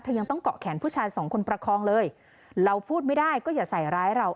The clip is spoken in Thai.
ยังต้องเกาะแขนผู้ชายสองคนประคองเลยเราพูดไม่ได้ก็อย่าใส่ร้ายเรา